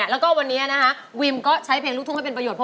แล้วก็วันนี้นะคะวิมก็ใช้เพลงลูกทุ่งให้เป็นประโยชน